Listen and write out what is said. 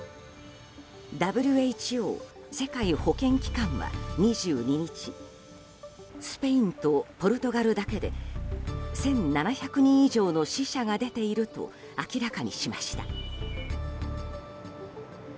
ＷＨＯ・世界保健機関は２２日スペインとポルトガルだけで１７００人以上の死者が出ていると明らかにしました。